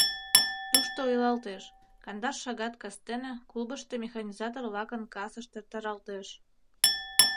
Тушто ойлалтеш: кандаш шагат кастене клубышто механизатор-влакын касышт эртаралтеш.